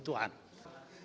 dan juga kebutuhan